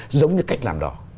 giống như cách làm đó